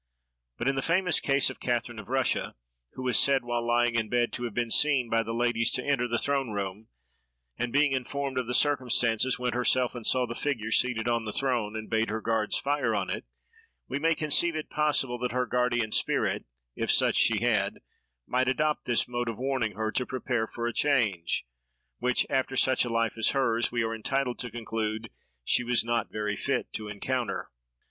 But in the famous case of Catherine of Russia, who is said, while lying in bed, to have been seen by the ladies to enter the throne room, and, being informed of the circumstance, went herself and saw the figure seated on the throne, and bade her guards fire on it, we may conceive it possible that her guardian spirit, if such she had, might adopt this mode of warning her to prepare for a change, which, after such a life as hers, we are entitled to conclude she was not very fit to encounter.